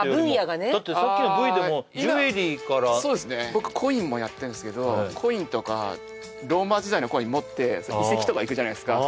僕コインもやってんですけどコインとかローマ時代のコイン持って遺跡とか行くじゃないですか